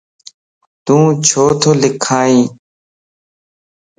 تون ڇو تو لکائين؟